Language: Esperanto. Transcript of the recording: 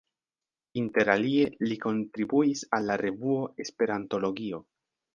Inter alie li kontribuis al la revuo Esperantologio.